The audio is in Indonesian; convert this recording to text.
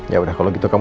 yaudah kalau gitu kamu